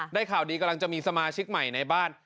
ข่าวดีกำลังจะมีสมาชิกใหม่ในบ้าน